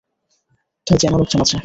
তাই চেনা লোকজন আছে।